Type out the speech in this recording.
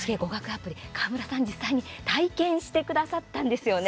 アプリ川村さん、実際に体験してくださったんですよね。